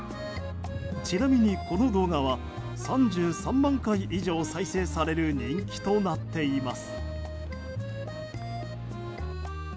ちなみに、この動画は３３万回以上再生される人気となっています。